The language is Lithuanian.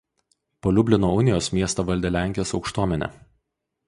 Po Liublino unijos miestą valdė Lenkijos aukštuomenė.